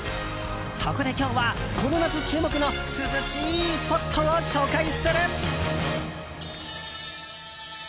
そこで今日は、この夏注目の涼しいスポットを紹介する。